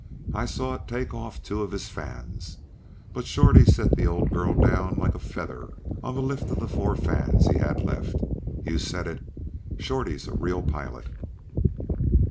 I saw it take off two of his fans, but Shorty set the old girl down like a feather on the lift of the four fans he had left. You said it Shorty's a real pilot...."